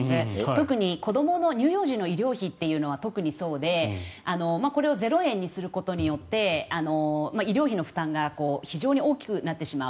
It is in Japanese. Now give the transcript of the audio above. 特に、子どもの乳幼児の医療費は特にそうでこれを０円にすることによって医療費の負担が非常に大きくなってしまう。